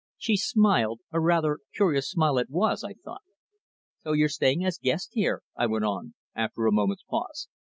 She smiled, a rather curious smile it was, I thought. "So you're staying as guest here?" I went on, after a moment's pause.